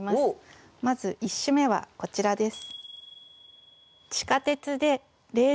まず１首目はこちらです。